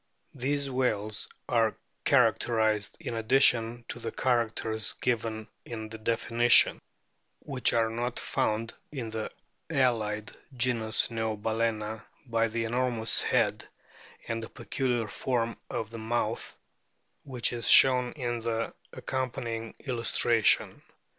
These whales are characterised, in addition to the characters given in the definition which are not found in the allied genus Neobal&na, by the enormous head and the peculiar form of the mouth, which is shown in the accompanying illustra tion.